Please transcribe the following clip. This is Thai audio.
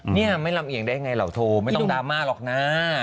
นี่ไม่ลำเอียงได้ไงเหล่าโทไม่ต้องดราม่าหรอกนะ